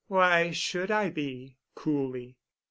"Why should I be?" coolly.